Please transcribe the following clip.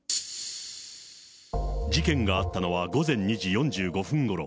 事件があったのは、午前２時４５分ごろ。